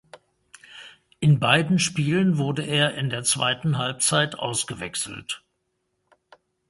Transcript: In beiden Spielen wurde er in der zweiten Halbzeit ausgewechselt.